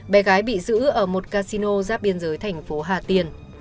bé gái bị giữ ở một casino giáp biên giới thành phố hà tiên